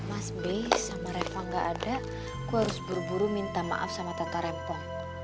mas by sama reva gak ada aku harus buru buru minta maaf sama tante rempah